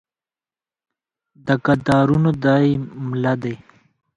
دا کدرونه دا يې مله دي